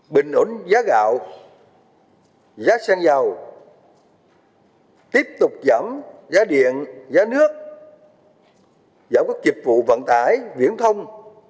bình ổn giá gạo giá xăng dầu tiếp tục giảm giá điện giá nước giảm các dịch vụ vận tải viễn thông